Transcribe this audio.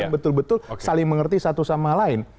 betul betul saling mengerti satu sama lain